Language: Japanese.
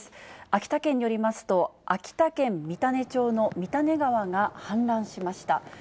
秋田県によりますと、秋田県三種町の三種川が氾濫しました。